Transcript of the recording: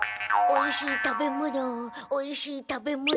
おいしい食べ物おいしい食べ物。